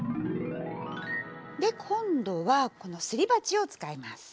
で今度はこのすり鉢を使います。